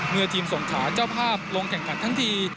เมื่อทีมสงขาเจ้าภาพลงแข่งขันทั้งที